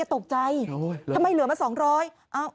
ตกใจทำไมเหลือมา๒๐๐บาท